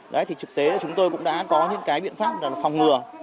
đấy thì trực tế chúng tôi cũng đã có những cái biện pháp là phòng ngừa